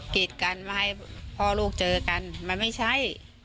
กิจกันว่าให้พ่อลูกเจอกันมันไม่ใช่